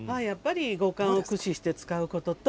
五感を駆使して使うこと。